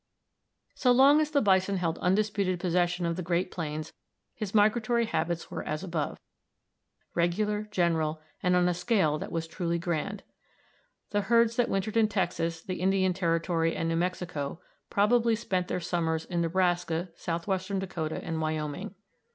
_] So long as the bison held undisputed possession of the great plains his migratory habits were as above regular, general, and on a scale that was truly grand. The herds that wintered in Texas, the Indian Territory, and New Mexico probably spent their summers in Nebraska, southwestern Dakota, and Wyoming.